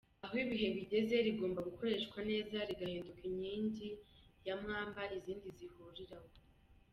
Aho ibihe bigeze, rigomba gukoreshwa neza rigahinduka inkingi ya mwamba izindi zihuriraho.